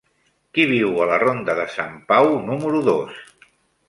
Qui viu a la ronda de Sant Pau número dos?